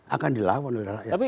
akan dilawan oleh rakyat